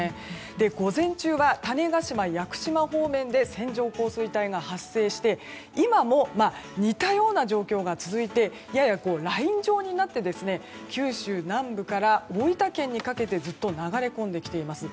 午前中が種子島、屋久島方面で線状降水帯が発生した今も似たような状況が続いてややライン状になって九州南部から大分県にかけてずっと流れ込んできています。